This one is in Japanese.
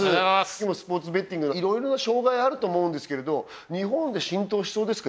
今スポーツベッティングいろいろな障害あると思うんですけれど日本で浸透しそうですか？